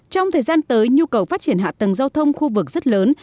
trong thời gian tới nhu cầu phát triển hạ tầng giao thông khu vực rất lớn